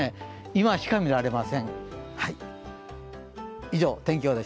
今しか見られません。